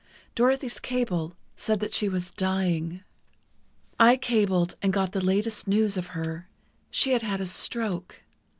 Dorothy's cable said that she was dying. "I cabled and got the latest news of her; she had had a stroke.